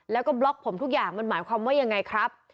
แล้วก็บล็อกผมทุกอย่างมันหมายความว่ายังไงครับ